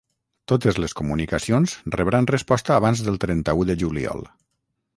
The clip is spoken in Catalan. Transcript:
Totes les comunicacions rebran resposta abans del trenta-u de juliol.